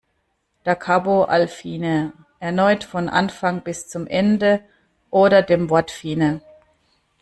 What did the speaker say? Da Capo al fine: Erneut von Anfang bis zum Ende oder dem Wort "fine".